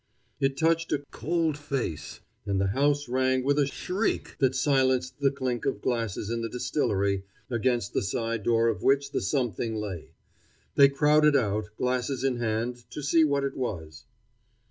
It touched a cold face, and the house rang with a shriek that silenced the clink of glasses in the distillery, against the side door of which the something lay. They crowded out, glasses in hand, to see what it was.